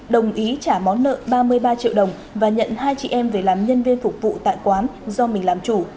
đồng ý trả món nợ ba mươi ba triệu đồng và nhận hai chị em về làm nhân viên phục vụ tại quán do mình làm chủ